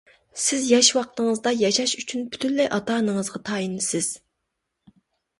سىز ياش ۋاقتىڭىزدا، ياشاش ئۈچۈن پۈتۈنلەي ئاتا-ئانىڭىزغا تايىنىسىز.